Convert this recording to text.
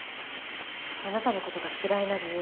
あなたの事が嫌いな理由